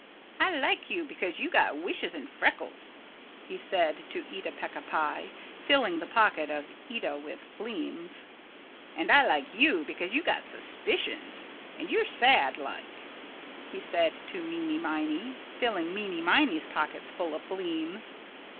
"I like you because you got wishes and freckles," he said to Eeta Peeca Pie, filling the pockets of Eeta with fleems. "And I like you because you got suspicions and you're sad like," he said to Meeney Miney filling Meeney Miney's pockets full of fleems.